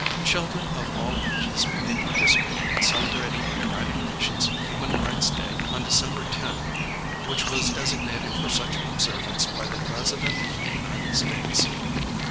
Children of all ages may participate in celebrating United Nations Human Rights Day on December 10 which was designated for such observance by the President of the United States.